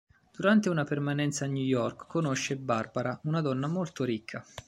Durante una permanenza a New York conosce Barbara, una donna molto ricca.